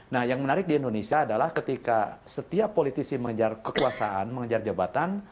nah yang menarik di indonesia adalah ketika setiap politisi mengejar kekuasaan mengejar jabatan